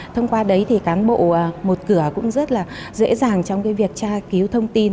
thông qua đấy thì cán bộ một cửa cũng rất là dễ dàng trong việc tra cứu thông tin